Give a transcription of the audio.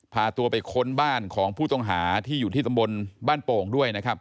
พาตัวไปค้นบ้านของผู้ต้องหาที่อยู่ที่ตำบลบ้านโป่งด้วยนะครับ